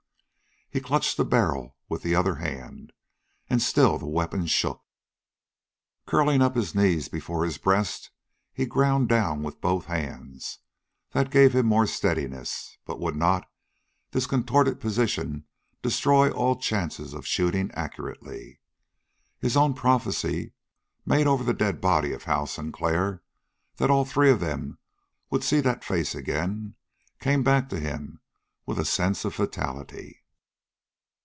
He clutched the barrel with the other hand. And still the weapon shook. Curling up his knee before his breast he ground down with both hands. That gave him more steadiness; but would not this contorted position destroy all chance of shooting accurately? His own prophecy, made over the dead body of Hal Sinclair, that all three of them would see that face again, came back to him with a sense of fatality.